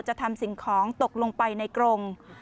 จะทำสิ่งของตกลงไปในกรง